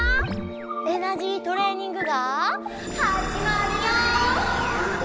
エナジートレーニングがはじまるよ！